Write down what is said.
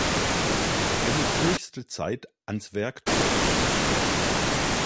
Es ist höchste Zeit, ans Werk zu gehen.